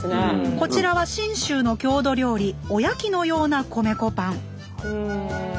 こちらは信州の郷土料理「おやき」のような米粉パン！